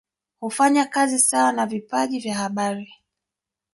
Hufanya kazi sawa na vipaji vya habari